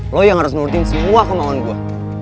lo yang harus nurdin semua kemauan gue